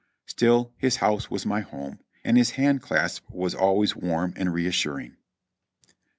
Still his house was my home, and his hand clasp was always warm and reassuring.